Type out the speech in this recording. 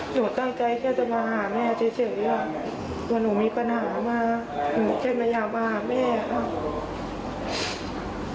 ผมตั้งใจแค่จะมาหาแม่เฉยอ่ะบ่นผมมีปัญหามาผมก็ไม่อยากมาหาแม่ครับ